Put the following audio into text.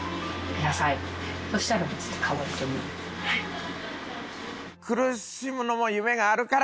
はい。